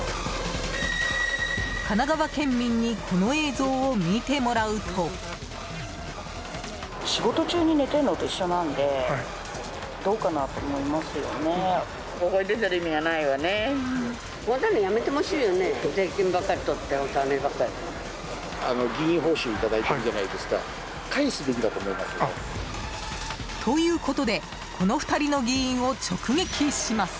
神奈川県民にこの映像を見てもらうと。ということでこの２人の議員を直撃します。